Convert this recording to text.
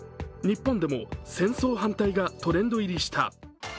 日本でも戦争反対がトレンド入りした。